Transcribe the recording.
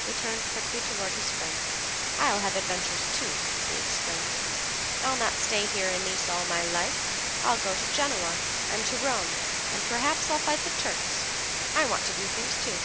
He turned quickly toward his friends. "I'll have adventures, too," he exclaimed. "I'll not stay here in Nice all my life; I'll go to Genoa and to Rome, and perhaps I'll fight the Turks. I want to do things, too."